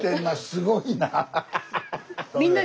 すごいな。